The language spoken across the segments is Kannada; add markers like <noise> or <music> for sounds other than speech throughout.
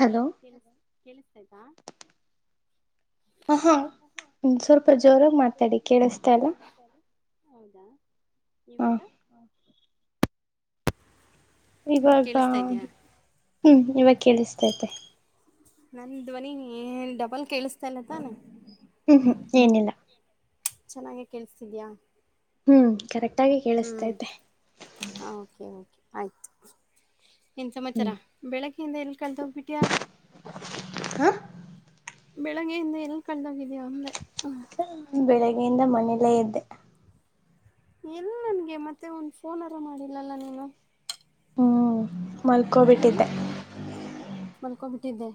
ಹಲೋ ಕೆಲ್ಸತದಾ ಹ ಹಾ ಸ್ವಲ್ಪ ಜೋರಾಗ ಮಾತಾಡಿ ಕೇಳಿಸತ ಅಲ್ಲ ಹೌದಾ ಇವತ್ತ ಇವಾಗ ಕೇಳಿಸ್ತಾ ಇದ್ಯಾ ಹ್ಮ್ ಇವಾಗ ಕೇಳಿಸ್ತೈತೆ ನನ್ ಧ್ವನಿ ಏ ಡಬಲ್ ಕೇಳಿಸತಾ ಇಲ್ಲತಾನ ಹ್ಮ್ ಹ್ಮ್ ಏನಿಲ್ಲ. ಚೆನ್ನಾಗೆ ಕಲ್ಸತಿದ್ಯಾ ಹ್ಮ್ ಕರೆಕ್ಟ್ ಆಗಿ ಹ್ಞ ಕೇಳಿಸ್ತೈತೆ ಓಕೆ ಓಕೆ ಆಯಿತು ಏನ್ ಸಮಾಚಾರ ಹ್ಮ್ ಬೆಳಗ್ಯಿಂದ ಎಲ್ಲಿ ಕಲ್ತ ಹೋಗ್ಬಿಟ್ಯಾ ಹ ಬೆಳಗ್ಗೆಯಿಂದ ಎಲ್ ಕಳದೋಗಿದ್ಯಾಾ ಒಂದೆ ಬೆಳಿಗ್ಗೆಯಿಂದ ಮನೇಲ್ಲೇ ಇದ್ದೆ ಎಲ್ಲ ನನ್ಗೆ ಮತ್ತೆ ಒಂದ ಫೋನ್ರ ಮಾಡಿಲ್ಲಲ್ಲ ನೀನು ಹ್ಮ್ ಮಲ್ಕೋಬಿಟ್ಟಿದ್ದೆ ಕಮಿಟ್ಟಿಯಿದೆ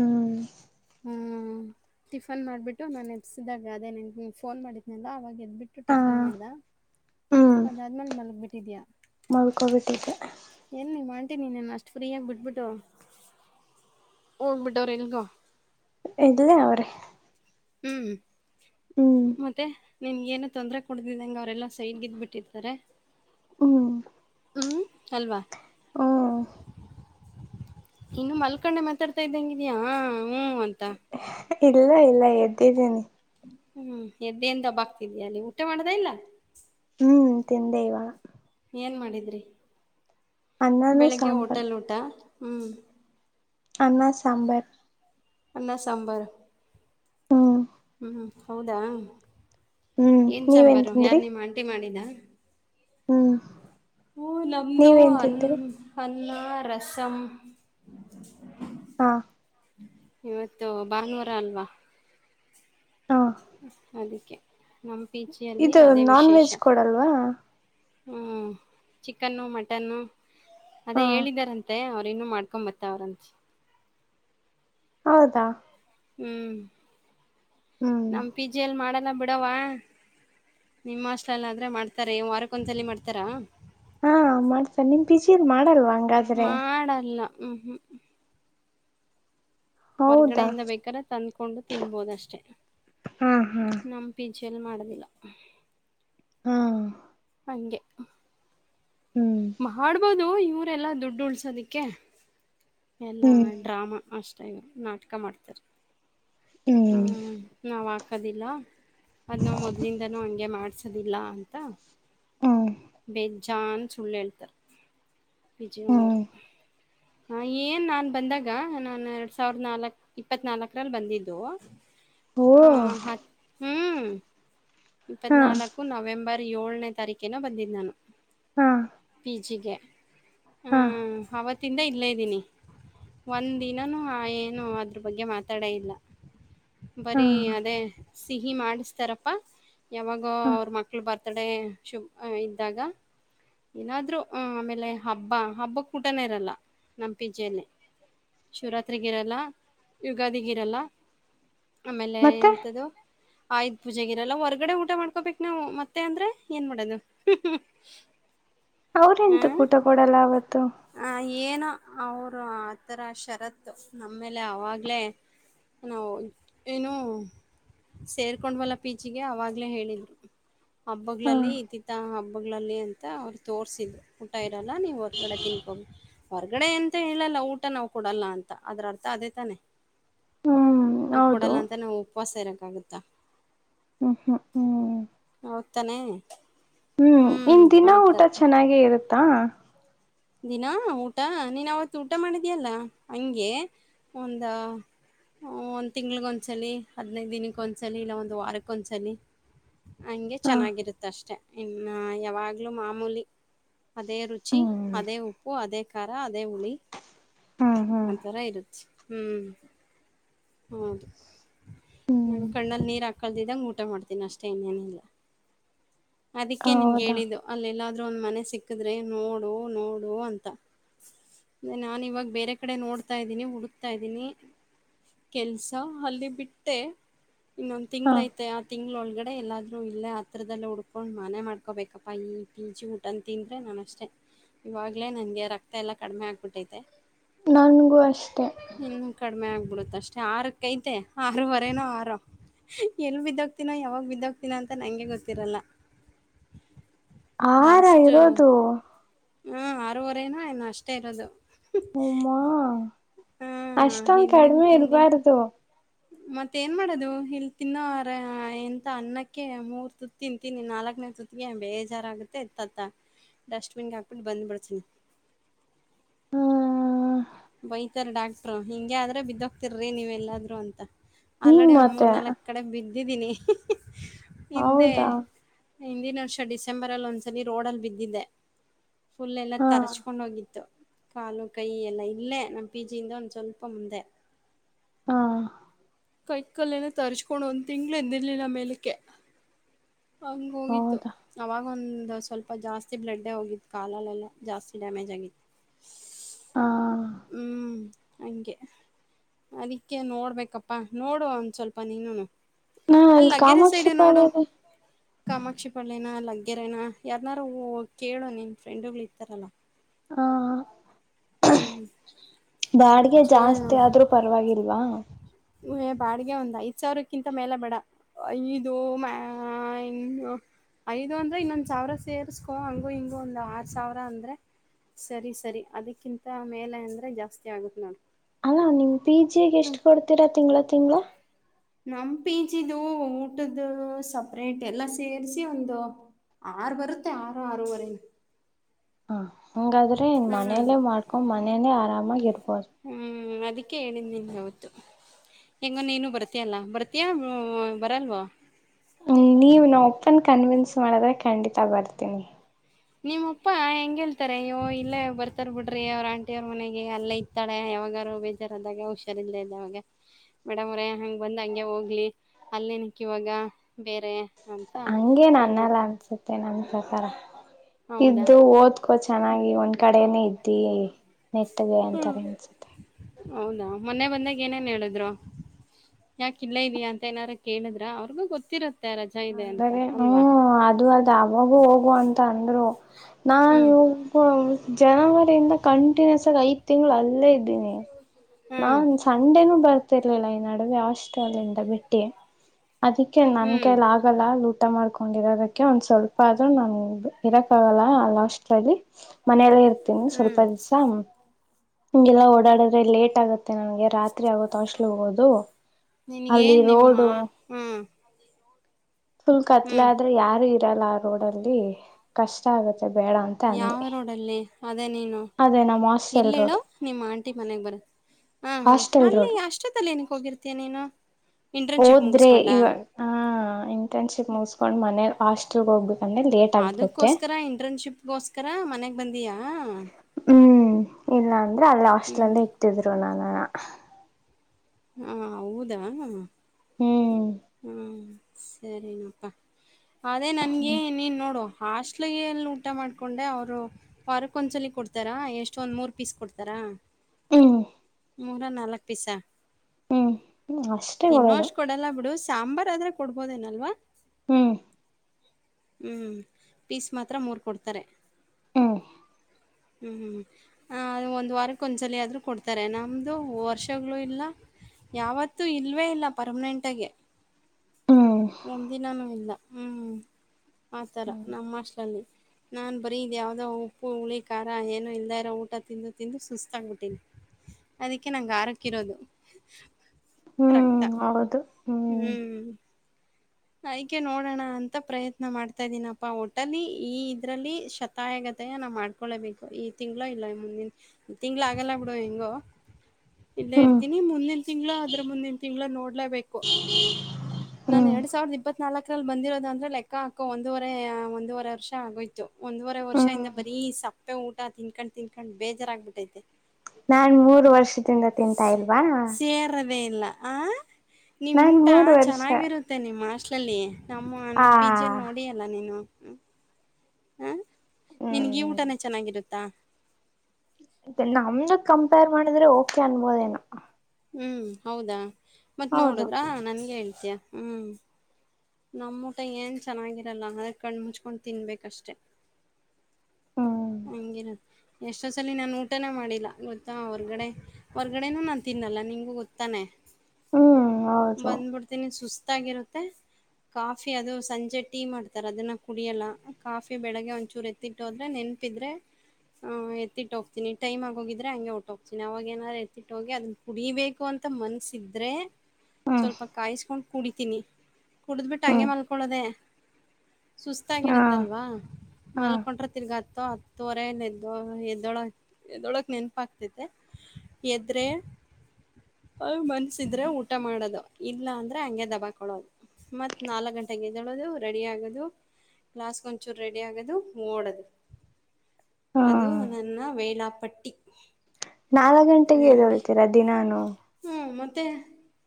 ಹ್ಮ್ ಹ್ಮ್ ಟಿಫನ್ ಮಾಡಿಬಿಟ್ಟು ನಾನು ಎತ್ಸಿದಾಗ ಅದೇ ನನ್ ಫೋನ್ ಮಾಡಿದ್ನಲ್ಲ ಅವವಾಗ ಎದ್ಬಿಟ್ಟು ಹ ಟಿಫನ್ ಮಾಡ್ದ ಒಂದ್ಾದ್ಮೇಲೆ ಮಲಗ್ ಬಿಟ್ಟಿದ್ಯಾಾ ಮಕೋಬಟ್ಟ ಎನ್ ಮಾಡಂಟೀನಿ ನೀನ್ ಅಷ್ಟು ಫ್ರೀಯಗ ಬಿಟ್ಬಿಟ್ಟು ಓಣಬಿಟ್ಟವರಲ್ಲಂಗ ಇಲ್ಲ ಅವರ ಹ್ಮ್ ಮತ್ತೆ ನಿನ್ಗ ಏನು ತೊಂದ್ರ ಕೊಡುದಿದ್ದಂಗ ಲ್ಲ ಸೈಡ್ಗ ಇದ್ ಬಿಿಟ್ಟಿರ್ತಾರೆ ಹ್ಮ್ ಅಲ್ವಾ ಹ್ಮ ಇನ್ನು ಮಲ್ಕೊಂಡೆ ಮಾತಾಡ್ತಾ ಇದ್ದಂಗಿದಯಾ ಹ್ಮ ಅಂತ ಇಲ್ಲ ಇಲ್ಲ ಎದ್ದಿದ್ದೀನಿ ಹ್ಮ್ ಎದ್ದೆಯಿಂದಬ್ ಬ ಆಕ್ತಿದಿಯಲ್ಲಿ ಊಟ ಮಾಡದ ಇಲ್ಲ ಹ್ಮ್ ತಿಿಂದ ಇವಳ ಏನು ಮಾಡಿದ್ರಿ ಅನ್ನನೂ ಬೆಳಿಗ್ಗೆ ಸಾಂಬಾರ್ ಹೋಟೆಲ್ ಊಟ ಹ್ಞೂ ಅನ್ನ ಸಾಂಬಾರ್ ಅನ್ನ ಸಾಂಬಾರ ಹಾ ಹ್ಮ್ ಹೌದಾ ಹ್ಮ್ ಏನ್ ನೀವೇನ್ ಚಂಬಾರು ಯಾರ್ ತಿಂದ್ರಿ ನಿಮ್ ಆಂಟಿ ಮಾಡಿದ ಹ್ಮ್ ಹ್ಮ ನಮ್ದು ನೀವೇನ್ ಅನ್ ತಿಂದ್ರಿ ಅಣ್ಣ ರಸಂ ಹಾ ಇವತ್ತು ಭಾನುವಾರ ಅಲ್ವಾ ಹಾ ಅದಕ್ಕೆ ನಮ್ಮ ಪೀಚಿಯಲ್ಲಿ ಇದು ಅದೇ ನಾನ್ ವೆಜ್ ಕೊಡಲ್ವಾ ಹ್ಮ ಚಿಕನ್ನು ಮಟನ್ನು ಹಾ ಅದೇ ಹೇಳಿದಾರಂತೆ ಅವರು ಇನ್ನು ಮಾಡ್ಕೊ ಬತ್ತಾವ ಅವ್ರ ಹೌದಾ ಹ್ಮ್ ಹ್ಮ್ ನಮ್ ಪಿಜಿಲ್ಲಿ ಮಾಡಲ್ಲ ಬಿ ಡವಾ ನಿಮ್ಮ ಅಸ್ಲಲ್ಲಾದ್ರೆ ಮಾಡ್ತಾರೆ ವಾರಕ್ಕೊಂದಸಲಿ ಮಾಡ್ತಾರ ಹಾ ಮಾಡ್ತಾರೆ ನಿಮ್ ಪಿಜೀರ್ ಮಾಡಲ್ವಾ ಹಂಗಾದ್ರೆ ಮಾಡಲ್ಲ ಹ್ಮ್ ಹ್ಮ್ ಹೌದಾ ಹೊರ್ಗಡೆಯಿಂದ ಬೇಕ್ರೆ ತಂದ್ಕೊಂಡು ತಿನ್ಬೋದಷ್ಟೆ ಹಾ ಹಾ ನಮ ಪಿಂಚಲ್ ಮಾಡದಿಲ್ಲ ಹಾ ಹಗೆ ಹ್ಮ್ ಮಾಡ್ಬೋದು ಇವರೆಲ್ಲಾ ದುಡ್ಡು ಉಳ್ಸೋದಿಕ್ಕೆ ಎಲ್ಲ ಹ್ಮ್ ಡ್ರಾಮಾ ಅಷ್ಟಾಗಿ ನಾಟಕ ಮಾಡ್ತಾರೆ ಹ್ಮ್ ಹಾಕದಿಲ್ಲ ಅದನ್ನ ಮೊದ್ಲಿಂದನೂ ಹಂಗೆ ಮಾಡ್ಸೋದಿಲ್ಲ ಅಂತ ಹ ಬೇಜಜಾನ್ ಸುಳ್ಳು ಹೇಳ್ತಾರ ವಿಜಯವನರ್ ಹ್ಮ್ ಹ ಏನ್ ನಾನ್ ಬಂದಾಗ ನಾನು ಎರಡ್ ಸಾವಿರ್ ನಾಲ್ಕ್ ಇಪ್ಪತ್ ನಾಲ್ಕರಲ್ಲಿ ಬಂದಿದ್ದು ಓ ಆ ಹತ್ತು ಹಾ ಇಪ್ಪತ್ನಾಲ್ಕು ನವೆಂಬರ್ ಏಳನೇ ತಾರೀಕನ ಬಂದಿದ್ದ್ ನಾನು ಹಾ ಪಿಜಿಗೆ ಹಾ ಹ್ಮ ಅವತ್ತಿಂದ ಇಲ್ಲೇ ಇದ್ದೀನಿ ಒಂದ್ ದಿನನುೂ ಏನು ಅದ್ರ ಬಗ್ಗೆ ಮಾತಾಡ ಇಲ್ಲ ಹಾ ಬರೀ ಅದೇ ಸಿಹಿ ಮಾಡಿಸತಾರಪ್ಪಾ ಯಾವಾಗೋ ಹಾ ಅವ್ರ ಮಕ್ಳ ಬರ್ತ್ಡೇ ಶು ಇದ್ದಾಗ ಏನಾದ್ರೂ ಆಮೇಲೆ ಹಬ್ಬ ಹಬ್ಬ ಕೂಟಾನೇ ಇರಲ್ಲ ನಮ್ಮ್ ಪಿಜೆಲ್ಲಿ ಶಿವರಾತ್ಗ ಇರಲ್ಲ ಯುಗಾದಿಗ ಇರಲ್ಲ ಆಮೇಲೆ ಮತ್ತೆ ಎಂತ್ದ ಆಯ್ದ್ ಪೂಜೆಗೆರಲ್ಲ ಹೊರಗ ಹೊಗಡೆ ಊಟ ಮಾಡ್ಕೋಬೇಕು ನಾವು ಮತ್ತೆ ಅಂದ್ರೆ ಏನ್ ಮಾಡೋದು ಅವ್ರೆಂತು ಹ ಊಟ ಕೊಡಲ್ಲ ಅವವತ್ತು ಆ ಏನೋ ಅವರು ಆತರ ಶರತ್ ನಮ್ಮ್ಮೇಲೆ ಅವಾಗ್ಲೇ ನಾವು ಏನು ಸೇರ್ಕೊಂಡವಲ್ಲ ಪೀಚಿಗೆ ಅವಾಗ ಹೇಳಿದ್ರು ಹ ಹಬ್ಬಗಳಲ್ಲಿ ಇತತ ಹಬ್ಬ ಅಂತ ಅವ್ರು ತೋರ್ರಿಸಿದ್ರು ಊಟ ಇರಲ್ಲ ನೀವು್ ಹೊರಗಡೆ ತಿನ್ಕೋ ಹೊರ್ಗಡೆ ಅಂತ ಹೇಳಲ್ಲ ಎಲ್ಲ ಊಟ ನಾವು ಕೊಡಲ್ಲ ಅಂತ ಅದ್ರರ್ಥ ಅದೇ ತಾನೆ ಹ್ಮ್ ಅವ್ರ ಹೌದು ಕೊಡಲ್ಲ ಅಂತ ನಾವು ಉಪವಾಸ ಇರಕ್ಗುತ್ತ ಹ್ಮ್ ಹ್ಮ್ ಹ್ಮ್ ಹೋಗ್ತಾನೆ ಹ್ಮ್ ಇನ್ ದಿನ ಊಟ ಚೆನ್ನಾಗೆ ಇರುತ್ತಾ ದಿನಾ ಊಟ ನೀನ್ ಅವತ್ತು ಊಟ ಮಾಡಿದಯಲ್ಲ ಹಂಗೆ ಒಂದಾ ಒಂದು ತಿಂಗಳಗ ಒಂದ್ಸಲ ಹದ್ನೈದು ದಿನಕ್ಕ ಒಂದ್ಸಲ ಇಲ್ಲ ಒಂದು ವಾರಕ್ಕೊಂದ್ಸಲ ಹಗೆ ಹ ಚೆನ್ನಾಗಿರುತ್ತ ಅಷ್ಟೆ ಇನ್ನು ಯಾವಾಗ್ಲೂ ಮಾಮೂಲಿ ಅದೇ ರುಚಿ ಹ್ಮ್ ಅದೇ ಉಪ್ಪು ಅದೇ ಖಾರ ಅದೇ ಹುಳಿ ಹ್ಮ್ ಹ್ಮ್ ಹ್ಮ್ ಹೌದು ನಮ ಹ್ಮ್ ಕಣ್ಣಲ್ಲಿ ನೀರ್ ಹಾಕ್ ಕಲ್ದಿದಂಗ ಊಟ ಮಾಡ್ತೀನಿ ಅಷ್ಟೇ ಏನೇನಿಲ್ಲ ಅದಕ್ಕೆ ನಿನ್ಗೆ ಹೌದಾ ಹೇಳಿದ್ದು ಅಲ್ಲ ಎಲ್ಲಾದ ಇದ್ರ ಒಂದ ಮನೆ ಸಿಕ್ಕಿದ್ರೆ ನೋಡು ನೋಡು ಅಂತ ನಾನನ್ ಇವಾಗ ಬೇರೆ ಕಡೆ ನೋಡ್ತಾ ಇದ್ದೀನಿ ಹುಡುಕ್ತಾ ಇದ್ದೀನಿ ಕೆಲ್ಸ ಅಲ್ಲಿ ಬಿಟ್ಟೆ ಇನ್ನೊಂದ್ ಹ ತಿಂಗ್ಳ ಐತೆ ಆ ತಿಂಗಳ ಒಳಗೆ. ಹೊಗಡೆ ಎಲ್ಲಾದರೂ ಇಲ್ಲೇ ಹತ್ತತ್ರದಲ್ಲೇ ಹುಡ್ಕೊಂಡು ಮನೆ ಮಾಡ್ಕೋಬೇಕಪ್ಪ ಈ ಪೀಜಿ ಊಟನ್ ತಿಂದರೆ ನಾನ್ ಅಷ್ಟೇ. ಇವಾಗ್ಲೇ ನನ್ಗೆ ರಕ್ತ ಎಲ್ಲಾ ಕಡಿಮೆ ಆಗ್ಬಿಟ್ಟೈತೆ. ನನ್ಗು ಅಷ್ಟೆ. ಮತ್ತಷ್ಟೇ ಆರಕ್ಕೈತೆ ಆರುವರೆನೂ ಆರೊ. ಎಲ್ ಬಿದ್ದೋಗ್ತೀನೋ ಯಾವಾಗ ಬಿದ್ದೋಗ್ತೀನೋ ಅಂತ ನಂಗೆ ಗೊತ್ತಿರಲ್ಲ. ಆರ ಇರೋದು. ಹ್ಮ ಆರೂವರೆನೂ ಇನ್ನು ಅಷ್ಟೇ ಇರೋದು. ಅಮ್ಮ ಹಾ ಅಷ್ಟೂನ್ ಹಿಂದಿನ ಕಡಿಮೆ ತಿಂಗ್ಳ ಇರ್ಬಾರ್ದು. ಮತ್ತ ಏನ್ ಮಾಡದು ಇಲ್ಲಿ ತಿನ್ನವಾರ ಇಂತ ಅನ್ನಕ್ಕೆ ಮೂರ್ ತುತ್ತ್ ತಿಂತೀನಿ ನಾಲ್ಕ ತುತ್ಗೇ ಬೇಜಾರ್ ಆಗುತ್ತೆ ಎತ್ತತ್ತ ಡಸ್ಟ್ಬಿನ್ಗೆ ಹಾಕ್ಬಿಟ್ಟು ಬಂದ್ಬಡ್ತಿನಿ. <inaudible> ಹಾ ಬೈತಾರ್ ಡಾಕ್ಟ್ರು ಹಿಂಗೆ ಆದ್ರೆ ಬಿದ್ದಹೋಗ್ತಿರಿ ನೀವೆ ಎಲ್ಲಾದ್ರು ಅಂತ. ಹ್ಮ್ ಅಲ್ರಾಡಿ ಒಂದ್ ಮೂರ್ ಮತ್ತೆ ನಾಲ್ಕ್ ಕಡೆ ಬಿದ್ದಿದ್ದೀನಿ ಹಿಂದೆ. ಹೌದಾ ಹಿಂದಿನ್ ವರ್ಷ ಡಿಸೆಂಬರ್ ಅಲ್ಲಿ ಒಂದ್ಸಲ ರೋಡಲ್ಲಿ ಬಿದ್ದಿದ್ದೆ. ಫುಲ್ ಎಲ್ಲಾ ಹಾ ತರಚ್ಕೊಂಡ್ ಹೋಗಿತ್ತು ಕಾಲು ಕೈ ಎಲ್ಲ. ಇಲ್ಲೇ ನಮ್ಮ ಪಿಜಿ ಯಿಂದ ಒಂದ ಸ್ವಲ್ಪ ಮುಂದೆ. ಹಾ ಕೈಕಲ್ಲನ ತರ್ಚ್ಕೊಂಡ್ ಒಂದ್ ತಿಂಳ ಎಂದಿರ್ಲಿನ ಮೇಲಕ್ಕೆ. ಹಂಗ ಹೋಗಿತ್ತು ಹೌದಾ ಅವಾಗ ಒಂದ ಸ್ವಲ್ಪ. ಜಾಸ್ತಿ ಬ್ಲಡ್ಡೇ ಹೋಗಿತ್ತು ಕಾಲಲ್ಲೆಲ್ಲ ಜಾಸ್ತಿ ಡ್ಯಾಮೇಜ್ ಆಗಿತ್ತು. ಹಾ ಹ್ಮ್ ಹಂಗೆ. ಅದಕ್ಕೆ ನೋಡ್ಬೇಕಪ್ಪಾ ನೋಡು ಒಂದ್ ಸ್ವಲ್ಪ ನೀನುನು. ನಾ ಅ ಇಲ್ಲಿ ಲಗ್ಗೇರೆ ಸೈಡ್ ಕಾಮಾಕ್ಷಿ ನೋಡು ಪಾಳ್ಯದ ಕಾಮಾಕ್ಷಿ ಪಳ್ಳಿನ ಲ ಯರಾನಾ ಯಾರನಾರು ಕೇಳು ನಿನ್ ಫ್ರೆಂಡುಗಳು ಇತಾರಲ್ಲ. ಹಾ ಬಾಡಿಗೆ ಜಾಸ್ತಿ ಆದ್ರು ಪರವಾಗಿಲ್ವಾ. ಹೇ ಬಾಡಿಗೆ ಒಂದ್ ಐದ್ ಸಾವಿರಕ್ಕಿಂತ ಮೇಲೆ ಬೇಡ. ಐದು ಮಾ ಇನ್ನು. ಐದು ಅಂದ್ರೆ ಇನ್ನೊಂದ್ ಸಾವಿರ ಸೇರ್ಸ್ಕೊ ಹಂಗು ಹಿಂಗೊ ಒಂದ್ ಆರ್ ಸಾವಿರ ಅಂದ್ರೆ. ಸರಿ ಸರಿ ಅದಕ್ಕಿಂತ ಮೇಲೆ ಅಂದ್ರೆ ಜಾಸ್ತಿ ಆಗತ್ ನೋಡ್. ಅಲ್ಲ ನಿಮ್ ಪಿಜಿಗ್ ಎಷ್ಟ್ ಕೊಡ್ತೀರಾ ತಿಂಗ್ಳ ತಿಂಗ್ಳ. ನಮ್ ಪಿಜಿದು ಊಟದ್ದು ಸಪ್ರೇಟ್ ಎಲ್ಲಾ ಸೇರಿಸಿ ಒಂದು. ಆರ್ ಬರುತ್ತೆ ಆರೂ ಆರವರೆನೂ. ಹಾ ಹಂಗಾದ್ರೆ ಇನ್ ಮನೇಲ್ಲೇ ಮಾಡ್ಕೊಂಡ್ ಮನೇಲ್ಲೇ ಆರಾಮಾಗಿ ಇರ್ಬೋದು. ಕೇಳಿದ್ದ ನಿನ್ಗ್ವತ್ತು. ಹೆಂಗಂದ ನೀನು ಬರ್ತಯಲ್ಲ ಬರ್ತಯ <unintelligible> ಬರಲ್ವಾ. ಹ್ಮ್ ನೀವ್ ನ ಒಪ್ಪನ್ ಕನ್ವಿನ್ಸ್ ಮಾಡದ್ರೆ ಖಂಡಿತ ಬರ್ತೀನಿ. ನಿಮ್ಮಪ್ಪಾ ಹೆಂಗ ಹೇಳ್ತಾರೆ ಇ್ಯೋ ಇಲ್ಲೇ ಬರ್ತಾರ ಬಿಡ್ರಿ ಅವ್ರ ಆಂಟಿ ಅವ್ರ ಮನೆಗೆ ಅಲ್ಲೇ ಇತಾಳೆ. ಯಾವಾಗಾರು ಬೇಜಾರಾದಾಗ ಹುಷರಿಲ್ದೆರೊವಗ. ಮೇಡಮ್ ಅವ್ರ ಹಂಗ್ ಬಂದ್ ಹಂಗೆ ಹೋಗ್ಲಿ ಅಲ್ಲೇನಕ್ ಇವಾಗ ಬೇರೆ. ಅಂತ ಹಂಗೆನ್ ನನ್ನಲ್ಲ ನಿಮ್ಮಪ್ಪ ಅನ್ಸುತ್ತೆ ನನ್ ಪ್ರಕಾರ‌. ಹೌದಾ ಇದ್ದು ಓದ್ಕೊ ಚೆನ್ನಾಗಿ ಒಂದ್ ಕಡೆನೇ ಇದ್ದಿ. ನೆಟ್ಟಗೆ ಅಂತಾರೆ ಅನ್ಸುತ್ತೆ. ಹೌದಾ ಮೊನ್ನೆ ಬಂದಾಗ ಏನೇನ್ ಹೇಳಿದ್ರು. ಯಾಕ ಇಲ್ಲೆ ಇದಯಾ ಅಂತ ಏನಾರು ಕೇಳಿದ್ರ ಅವ್ರಿಗೂ ಗೊತ್ತಿರು ಅಂದರೆ ಹ್ಮ್ ಅದು ಅದ ಅವಾಗೂ ಹೋಗುವ ಅಂತ ಅಂದ್ರು ನಾ ಹ್ಮ್ ಇವು ಜನವರಿಯಿಂದ ಕಂಟಿನ್ಯೂಸ್ ಆಗಿ ಐ ತಿಂಗಳು ಅಲ್ಲೇ ಇದ್ದೀನಿ ಹ್ಮ್ ನಾನ್ ಸಂಡೇನುೂ ಬರ್ತಿರ್ಲಿಲ್ಲ ಈ ನಡುವೆ. ಬಿಟ್ಟಿ ಅದಕ್ಕೆ ನನ್ ಹ್ಮ್ ಕೈಲ್ಲಿ ಆಗಲ್ಲ. ಮಾಡ್ಕೊಂಡ್ಿರೋದಕ್ಕೆ ಒಂದ್ ಸ್ವಲ್ಪ ಆದ್ರ ನಮ ಇರಕ್ ಆಗಲ್ಲ ಅಲ್ ಲಾಸ್ಟ್ಲ್ಲಿ ಮನೆಯಲೇ ಇ ತುಂ ಸ್ವಲ್ಪ ಹ್ಮ್ ದಿವ್ಸ ಇಂಗೆಲ್ಲಾ ಓಡಾಡಿದ್ರೆ ಲೇಟ್ ಆಗುತ್ತೆ ನನ್ಗೆ ರಾತ್ರಿ ಆಗುತ್ತ ಅಷ್ಟ್ ದುಹೌದು ನಿನ್ಗೇ ನಿಮ್ಮ ಹ್ಮ ಫುಲ್ ಕತ್ಲೆ ಆದ್ರೆ ಯಾರು ಇರಲ್ಲ ಆ ರೋಡಲ್ಲಿ ಕಷ್ಟ ಆಗತ್ತೆ ಬೇಡ ಅಂತ ಅಂದೆ ಯಾವ ರೋಡಲ್ಲಿ ಅದೇ ನೀನು ಅದೇ ನಮ್ಮ್ ಹಾಸ್ಟೆಲ್ ಎಲ್ಲೇಳು ರೋಡ್ ನಿಮ್ಮ ಆಂಟಿ ಮನೆಗ್ ಬರುತ್ತ ಹ್ಮ್ ಹ್ಮು ಹಾಸ್ಟೆಲ್ ಅಲ್ಲಿ ರೋಡ್ ಅಷ್ಟೊತ್ತಲ್ಲಿ ಏನುಕ್ ಹೋಗಿರ್ತೀಯ ನೀನು ಇಂಟರ್ನ್‌ಶಿಪ್ ಹೋದ್ರೆ ಮುಗಿಸ್ಕೊಂಡಾ? ಇವ ಹಾ ಇಂಟರ್ನ್ಶಿಪ್ ಮುಗಸ್ಕೊಂಡ್ ಮನೆ ಅಷ್ಟ್ ಅದಕ್ಕೋಸ್ಕರ ಇಂಟರ್ನ್ಶಿಪ್ಗೋಸ್ಕರ ಮನೆಗ್ ಹ್ಮು ಇಲ್ಲಾಂದ್ರೆ ಅಲ್ಲೇ ಹಾಸ್ಟ್ಲಲ್ಲೇ ಹ್ಮ್. ಇಕ್ತಿದ್ರು ನಾನೆಯ ಹ್ಮುಮ್ ಹೌದಾ ಹ್ಮುಮ್ ಹ್ಮೂಮ್ ಸರಿನಪ್ಪ ಅದೇ ನನ್ಗೆ ನೀನ್ ನೋಡು ಹಾಸ್ಟ್ಲಿಗೆಲ್ಲಿ ಊಟ ಮಾಡ್ಕೊಂಡೆ ಅವರು ವಾರಕ್ಕೊಂದ್ಸಲಿ ಕೊಡ್ತಾರಾ ಎಷ್ಟೊಂದ್ ಮೂರು ಪೀಸ್ ಕೊಡ್ತಾರ ಹ್ಮು್ಮ್ ಮೂರ ನಾಲ್ಕು ಪೀಸ ಹ್ಮುಮ್ ತಿನ್ನೋವಷ್ಟ್ ಕೊಡಲ್ಲ ಬಿಡು ಸಾಂಬಾರ್ ಆದ್ರೆ ಕೊಡ್ಬೋದೇನಲ್ವಾ ಹ್ಮುಮ್ ಹ್ಮುಮ್ ಪೀಸ್ ಮಾತ್ರ ಮೂರ್ ಕೊಡ್ತಾರೆ ಹ್ಮ್ ಹ್ಮ್ ಹ್ಮ್ ಹಾ ಒಂದ್ ವಾರಕ್ ಒಂದ್ಸಲ ಆದ್ರು ಕೊಡ್ತಾರೆ ನಮ್ದು ವರ್ಷಗಳು ಇಲ್ಲ ಯಾವತ್ತೂ ಇಲ್ವೇಇಲ್ಲ ಪರ್ಮನೆಂಟಗೆ ಹ್ಮ್ ಒಂದಿನಾನೂ ಇಲ್ಲ ಆತರ ನಮ್ ಹಾಸ್ಟ್ಲಲ್ಲಿ ನಾನ್ ಬರೀ ಇದ್ ಯಾವ್ದೋ ಉಪ್ಪು ಹುಳಿ ಖಾರ ಏನು ಇಲ್ಲ್ದೆಇರೊ ಊಟ ತಿಂದು ತಿಂದು ಸುಸ್ತಾಗಬಿಟ್ಟೀನಿ ಅದಕ್ಕೆ ನಂಗ ಆರುಕ್ಕಿರೋದು ಹ್ಮೂ ಹೌದು ಹ್ಮ್ ಹ್ಮು ಅದಿಕ್ಕೆ ನೋಡೋಣ ಅಂತ ಪ್ರಯತ್ನ ಮಾಡ್ತಾ ಇದ್ದೀನಪ್ಪಾ ಒಟ್ಟಲ್ಲಿ ಈ ಇದ್ರಲ್ಲಿ ಶತಾಯಗತಾಯ ಮತ್ತೇ ನಾವ್ ಮಾಡ್ಕೊಳ್ಳೇಬೇಕು ಈ ತಿಂಗ್ಳು ಇಲ್ಲ ಮುಂದಿನ ಈ ತಿಂಗ್ಳು ಆಗಲ್ಲ ಬಿಡು ಹೆಂಗೋ ಇಲ್ಲ ಹ್ಮ್ ಇರ್ತಿನಿ ಮುಂದಿನ ತಿಂಗ್ಳು ಅದ್ರು ಮುಂದಿ ತಿ ತಿಂಗ್ಳ ನೋಡ್ಲೇಬೇಕು ನನ್ ಹ್ಮ್ ಎರ್ ಸಾವ್ರದ ಇಪ್ಪತ್ ನಾಲ್ಕರಲ್ಲಿ ಬಂದಿರೋದು ಅಂದ್ರೆ ಲೆಕ್ಕ ಹಾಕೋ ಒಂದೂವರೆ ಒಂದೂವರೆ ವರ್ಷ ಆಗೋಯ್ತು ಒಂದುವರೆ ಹ್ಮ್ ವರ್ಷಇಂದ ಬರೀ ಸಪ್ಪೇ ಊಟ ತಿನ್ಕೊಂಡ್ ತಿಂನ್ಕೊಂಡ್ ಬೇಜಾರಾಗಬಿಟ್ಟೈತೆ ನಾನ್ ಮೂರು ವರ್ಷದಿಂದ ತಿಂತಾ ಇಲ್ವಾ ನಿಲ್ಲ ಆ ನಿಮ್ಮ ನಾನ್ ಊಟ ಮೂರು ವರ್ಷ ಚೆನ್ನಾಗಿರುತ್ತ್ ನಮ್ ಹಸ್ಟ್ಲಲ್ಲಿ ನಮ್ಮ ಆ ನಮ್ ಪಿಜಿಯಲ್ಲಿ ನೋಡಿಯಲ್ಲ ನೀನು ಹ ನಿನ್ಗೆ ಈ ಹ್ಮ್ ಊಟನೇ ಚೆನ್ನಾಗಿರುತ್ತಾ ನಮ್ದುಕ್ ಕಂಪೇರ್ ಮಾಡಿದ್ರೆ ಓಕೆ ಅನ್ಬೋದೇನೊ ಹ್ಮು ಹೌದಾ ಮತ್ ಹೌದು ನೋಡದ್ರಾ ನನ್ಗೆ ಹೇಳ್ತಿಯ ಹ್ಮು ನಮ್ ಊಟ ಏನ್ ಚೆನ್ನಾಗಿರಲ್ಲ ಆದ್ರೆ ಕಣ್ ಮುಚ್ಕೊಂಡ್ ತಿನ್ಬೇಕಷ್ಟೆ ಹ್ಮ್ ಹಂಗಿರದ್ ಎಷ್ಟೋ ಸಲಿ ನಾನು ಊಟನೆ ಮಾಡಿಲ್ಲ ಗೊತ್ತಾ ಹೊರ್ಗಡೆ ಹೊರ್ಗಡೆನೂ ನಾನ್ ತಿನ್ ನಲ್ಲ ನಿಮ್ಗು ಗೊತ್ತಾನೆ ಹ್ಮ್ ಹೌದು ಬಂದ್ಬಿಡ್ತೀನಿ ಸುಸ್ತಾಗಿರುತ್ತೆ ಕಾಫಿ ಅದು ಸಂಜೆ ಟೀ ಮಾಡ್ತಾರದುನ್ನ ಕುಡಿಯಲ್ಲ ಕಾಫಿ ಬೆಳಿಗ್ಗೆ ಒಂದ್ಚೂರು ಎತ್ತಿಟ್ಟೊದ್ರೆ ನೆನ್ಪ ಪಿದ್ರೆ ಹು ಎತ್ತಿಟ್ಹೋಗ್ತಿನಿ ಟೈಮ್ ಆಗ್ಹೋಗಿದ್ರೆ ಹಂಗೆ ಹೋರ್ಟೊಗ್ತಿನಿ ಅವಾಗೇನಾದ್ರು ಎತ್ತಿಟ್ಟೋಗಿ ಅದ್ ಕುಡಿಬೇಕು ಅಂತ ಅಂತ ಮನ್ಸಿದ್ರೆ ಹ್ಮ್ ಸ್ವಲ್ಪ ಕಾಯಿಸ್ಕೊಂಡ್ ಕುಡಿತೀನಿ ಕುಡ್ದ್ ಬಿಟ್ಟು ಹಂಗೆ ಹ್ಮ್ ಮಲ್ಕೊಳ್ಳದೆೇ ಹಾ ಸುಸ್ತಾಗಿರುತ್ತಲ್ವಾ ಹಾ ಮಲ್ಕೊಂಡ್ರೆ ತಿರ್ಗಾ ಹತ್ತುವರೆಂಗೆ ಎದ್ದ ಎದ್ದೋಳಕ್ ಎದೋಳಕ್ ನೆನಪಾಗಗ್ತೈತೆ ಎದ್ರೆ ಅ ಮನ್ಸಿದ್ರೆ ಊಟ ಮಾಡೋದು ಇಲ್ಲ ಅಂದ್ರೆ ಹಂಗೆ ದಬಾಕೊಳ್ಳೊದು ಮತ್ ನಾಲಕ್ ಗಂಟೆಗೆ ಎದ್ದಳೋದು ರೆಡಿ ಆಗದು ಲಾಸ್ಟ್ ಒಂಚೂರು ರೆಡಿ ಆಗದು ಓಡೋದು. ಅದು ನನ್ನ ವೇಳಾಪಟ್ ನಾಲ್ ಗಂಟೆಗ ಎದ್ದೇಳ್ತೀರಾ ದಿನಾನು. ಹ್ಞೂ ಮತ್ತೆ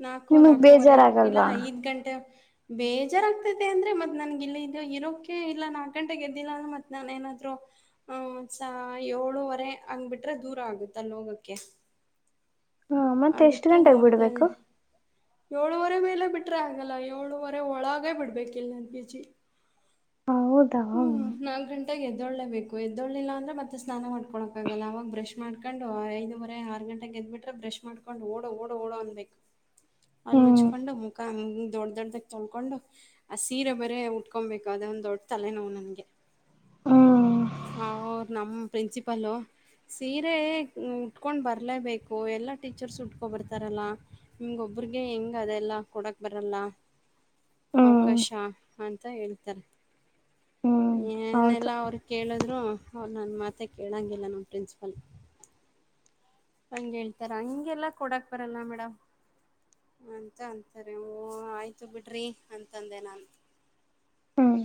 ನಾಕೋ ನಿಮಗ್ ನಾಕೋ ವರೆ ಇಲ್ಲ ಬೇಜಾರಾಗಲ್ವಾ ಐದ್ ಗಂಟೆ. ಬೇಜಾರಗಗ್ತೈತೆ ಅಂದ್ರೆ ಮತ್ ನನ್ ಇಿಲ್ಲ ಇದ ಇರೋಕ ಇಲ್ಲ ನಾಕ ಗಂಟೆಗೆ ಗೆದ್ದಿಲ್ಲ ಅಂದ್ರ ಮತ್ ನಾನನ್ ಏನಾದ್. <inaudible> ಹ್ಮಸ ಏಳುವರೆ ಹಂಗ್ಬಿಟ್ರೆ ದೂರ ಆಗುತ್ತ ಅಲ್ಲ ಹೋಗೋಕೆ. ಹಾ ಮತ್ತೆ ಎಷ್ಟು ಗಂಟಗ್ ಬಿಡ್ಬೇಕು. ಇದ್ದೀನಿ ಏಳುವರೆ ಮೇಲೆ ಬಿಟ್ರೆ ಹಾಗಗಲ್ಲ ಏಳುವರೆ ಒಳಗೇ ಬಿಡ್ಬೇಕಿಿಲ್ಲ ನನ್ ಪಿಜಿ. ಹ್ಮ್ ನಾಲ್ಕ ಗಂಟಾಗ ಎದ್ದೊಳ್ಳೆ ಬೇಕು ಎದೊಳ್ಳಿಲ್ಲ ಅಂದ್ರೆ ಮತ್ತೆ ಸ್ನಾನ ಮಾಡ್ಕ ಕೊಡಕ ಆಗಲ್ಲ ಅವಾಗ ಬ್ರಶ್ ಮಾಡ್ಕ ಕಕೊಂಡು ಐದೂರೆ ಆರು ಗಂಟೆಗೆ ಗೆದ್ಬಿಟ್ರೆ ಬ್ರಷ್ ಮಾಡ್ಕೊಂಡು ಓಡು ಓಡು ಓಡು ಅನ್ಬೇಕು. ಅಲ್ಲ ಹ್ಮ್ ಉಜ್ಕೊಂಡು ಮುಖ ದೊಡ್ಡ ದೊಡ್ಡ್ದಾಗ ತೊಳ್ಕೊಂಡು ಆ ಸೀರೆ ಬರೇ ಉಟ್ಕೊಬೇಕು ಅದೊಂದ ದೊಡ್ಡ ತಲೆ ನೋವ ನನ್ಗೆ ಅವರು ನಮ ಪ್ರಿನ್ಸಿಪಲೂ. ಸೀರೆ ಉಟ್ಕೊಂಡ್ ಬರ್ಲೇಬೇಕು ಎಲ್ಲಾ ಟೀಚರ್ಸ್ ಉಟ್ಕೊ ಬರ್ತಾರಲ್ಲಾ ನಿಮ್ಗೊಬ್ಬ ಒಬ್ಬರ್ಗೆ ಹೆಂಗ ಅದೆಲ್ಲ ಕೊಡಕ್ ಬರಲ್ಲ. ಹ್ಮ್ ಅವಕಾಶ ಅಂತ ಹೇಳ್ತಾರೆ. ಹ್ಮ್ ಹೌದು ಏನೆಲ್ಲಾ ಅವರು ಕೇಳಿದ್ರು ಅವ ನನ್ ಮಾತೆ ಕೇಳೋಂಗಿಲ್ಲ ನಮ್ಮ ಪ್ರಿನ್ಸಿಪಲ್. ಹಂಗ ಹೇಳ್ತಾರ ಹಂಗೆಲ್ಲಾ ಕೊಡಕ್ ಬರಲ್ಲ ಮೇಡಮ್. ಅಂತ ಅಂತಾರೆ ಓ ಆಯ್ತು ಬಿಡ್ರಿ ಅಂತಂದೆ ನಾನು. ಹ್ಮ.